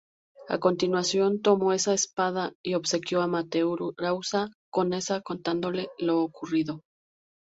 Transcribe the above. A continuación, tomó esa espada y obsequió a Amaterasu con ella, contándole lo ocurrido.